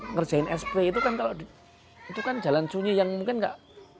ngerjain sp itu kan jalan sunyi yang mungkin gak